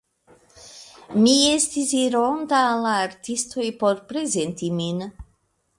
Mi estis ironta al la artistoj por prezenti min.